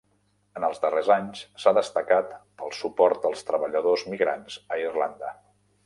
En els darrers anys s'ha destacat pel suport als treballadors migrants a Irlanda.